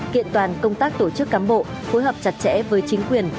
kiện toàn công tác tổ chức cám bộ phối hợp chặt chẽ với chính quyền